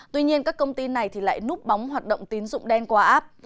tuy nhiên các công ty này lại núp bóng hoạt động tín dụng đen qua app